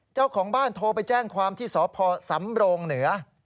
เจ้าของบ้านโทรไปแจ้งความที่สพสำโรงเหนือ